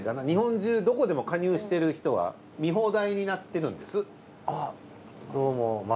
日本中どこでも加入してる人は見放題になってるんです。